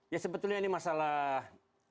ya sebetulnya ini masalah